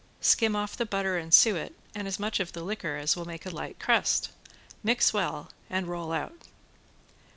Skim off the butter and suet and as much of the liquor as will make a light crust. Mix well and roll out.